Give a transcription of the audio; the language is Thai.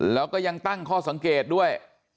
แล้วก็ยังตั้งข้อสังเกตด้วย